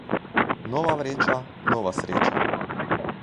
Nova vreča, nova sreča.